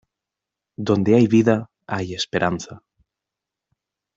Donde hay vida hay esperanza.